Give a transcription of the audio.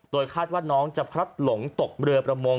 คาดว่าน้องจะพลัดหลงตกเรือประมง